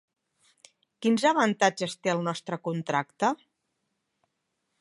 Quins avantatges té el nostre contracte?